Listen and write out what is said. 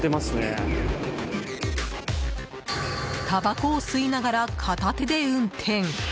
たばこを吸いながら片手で運転。